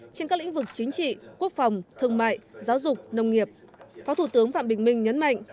trên các lĩnh vực chính trị quốc phòng thương mại giáo dục nông nghiệp phó thủ tướng phạm bình minh nhấn mạnh